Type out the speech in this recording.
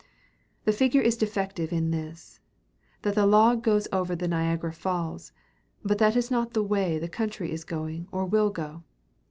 The figure is defective in this, that the log goes over the Niagara Falls, but that is not the way the country is going or will go....